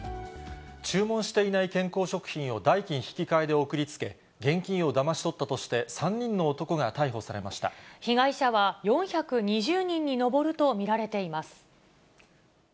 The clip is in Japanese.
注文していない健康食品を代金引き換えで送りつけ、現金をだまし取ったとして、３人の男が逮被害者は４２０人に上ると見られています。